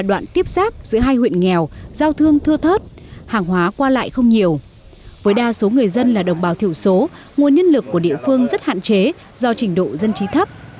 do thiểu số nguồn nhân lực của địa phương rất hạn chế do trình độ dân trí thấp